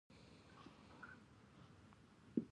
وګړي د افغانستان د سیلګرۍ یوه ډېره مهمه برخه ګڼل کېږي.